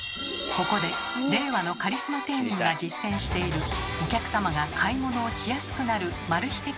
ここで令和のカリスマ店員が実践しているお客様が買い物をしやすくなるマル秘